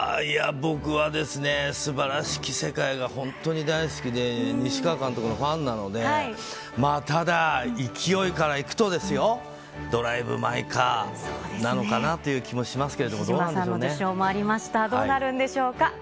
僕はですね、すばらしき世界が本当に大好きで、西川監督のファンなので、ただ、勢いからいくとですよ、ドライブ・マイ・カーなのかなという気もしますけれども、どうなんでしょうね。